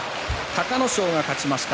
隆の勝が勝ちました。